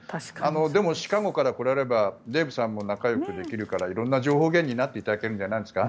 でも、シカゴからこられればデーブさんも仲よくなれるから色んな情報源になっていただけるんじゃないですか？